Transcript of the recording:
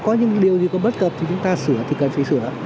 có những điều gì có bất cập thì chúng ta sửa thì cần phải sửa